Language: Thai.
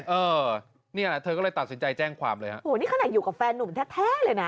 เออเนี่ยเธอก็เลยตัดสินใจแจ้งความเลยฮะโอ้นี่ขนาดอยู่กับแฟนหนุ่มแท้แท้เลยนะ